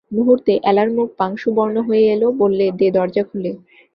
মুহূর্তে এলার মুখ পাংশুবর্ণ হয়ে এল–বললে, দে দরজা খুলে।